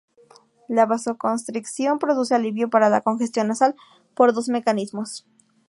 La vasoconstricción produce alivio para la congestión nasal por dos mecanismos.